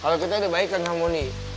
kalau kita dibaikan sama moni